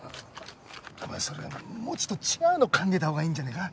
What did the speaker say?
お前それもうちょっと違うの考えたほうがいいんじゃねえか？